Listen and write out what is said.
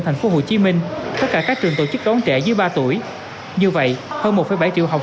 thành phố hồ chí minh tất cả các trường tổ chức đón trẻ dưới ba tuổi như vậy hơn một bảy triệu học